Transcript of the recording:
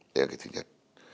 đây là cái thứ nhất